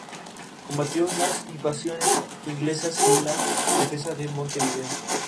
Combatió en las Invasiones Inglesas en la defensa de Montevideo.